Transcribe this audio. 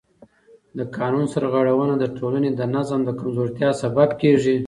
د قانون سرغړونه د ټولنې د نظم د کمزورتیا سبب کېږي